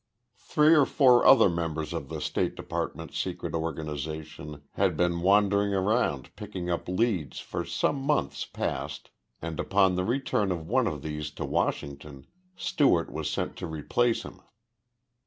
Three or four other members of the State Department's secret organization had been wandering around picking up leads for some months past and, upon the return of one of these to Washington, Stewart was sent to replace him.